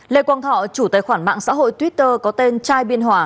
lê quang thọ chủ tài khoản mạng xã hội twitter có tên trai biên hòa